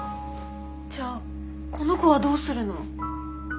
じゃあこの子はどうするの？